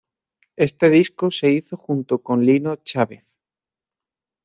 Este disco se hizo junto con Lino Chávez.